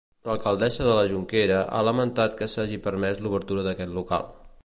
L'alcaldessa de la Jonquera ha lamentat que s'hagi permès l'obertura d'aquest local.